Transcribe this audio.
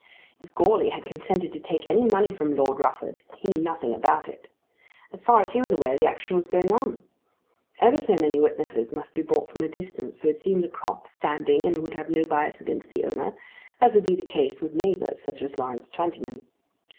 If Goarly had consented to take any money from Lord Rufford he knew nothing about it. As far as he was aware the action was going on. Ever so many witnesses must be brought from a distance who had seen the crop standing and who would have no bias against the owner, as would be the case with neighbours, such as Lawrence Twentyman.